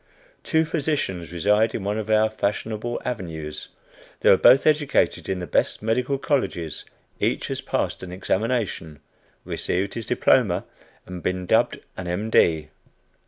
Two physicians reside in one of our fashionable avenues. They were both educated in the best medical colleges; each has passed an examination, received his diploma, and been dubbed an M. D.